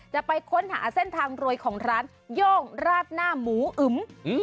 จะไปค้นหาเส้นทางรวยของร้านโย่งราดหน้าหมูอึม